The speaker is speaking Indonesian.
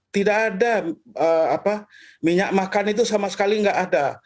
tidak ada minyak makan itu sama sekali nggak ada